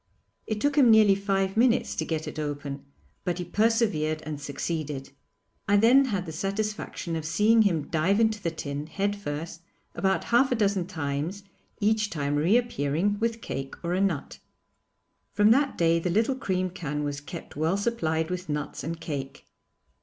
It took him nearly five minutes to get it open, but he persevered and succeeded. I then had the satisfaction of seeing him dive into the tin, head first, about half a dozen times, each time reappearing with cake or a nut. From that day the little cream can was kept well supplied with nuts and cake.